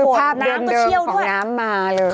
คือภาพเดิมเดิมของน้ำมาเลย